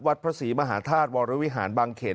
พระศรีมหาธาตุวรวิหารบางเขน